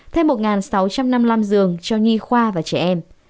thêm một sáu trăm năm mươi năm giường cho nhi khoa và trẻ em